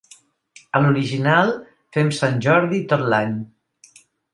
A l'Horiginal fem Sant Jordi tot l'any.